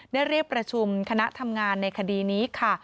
เรียกประชุมคณะทำงานในคดีนี้ค่ะ